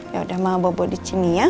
ya udah mama bawa bawa disini ya